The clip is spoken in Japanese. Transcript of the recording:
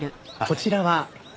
こちらは？